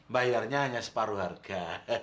bayarnya hanya separuh harga